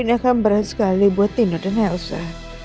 ini akan berat sekali buat tino dan elsa